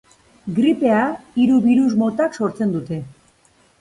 Gripea hiru birus motak sortzen dute.